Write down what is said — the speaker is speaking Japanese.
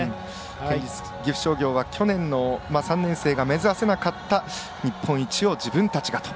県立岐阜商業は去年の３年生が目指せなかった日本一を自分たちがと。